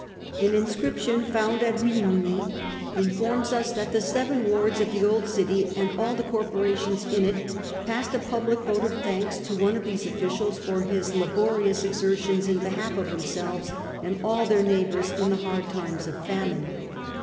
An inscription found at Rimini informs us that the seven wards of the old city, and all the corporations in it, passed a public vote of thanks to one of these officials for his laborious exertions in behalf of themselves and all their neighbours in the hard times of famine.